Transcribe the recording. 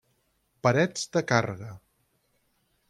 Parets de càrrega.